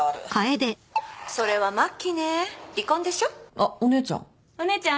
あっお姉ちゃん。